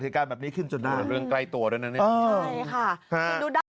เหตุการณ์แบบนี้ขึ้นจนเรื่องใกล้ตัวด้วยนะเนี่ยใช่ค่ะ